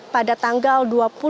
pada tanggal dua puluh